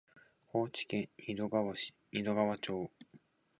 高知県仁淀川町